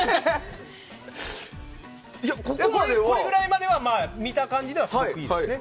これぐらいまでは見た感じではすごくいいですね。